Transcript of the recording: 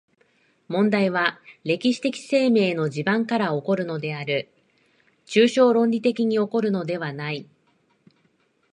問題は歴史的生命の地盤から起こるのである、抽象論理的に起こるのではない。